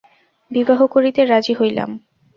বিবাহ করিতে রাজি হইলাম।